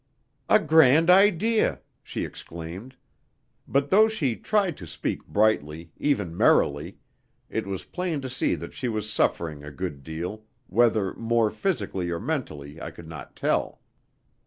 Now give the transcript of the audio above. "A grand idea," she exclaimed; but though she tried to speak brightly, even merrily, it was plain to see that she was suffering a good deal, whether more physically or mentally I could not tell.